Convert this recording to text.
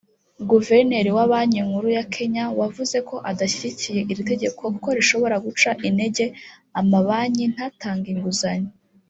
Guverineri wa Banki Nkuru ya Kenya wavuze ko adashyigikiye iri tegeko kuko rishobora guca intege amabanki ntatange inguzanyo